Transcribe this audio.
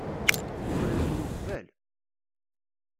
Ukren-ken uqbel?